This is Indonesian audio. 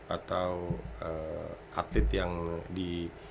atau atlet yang di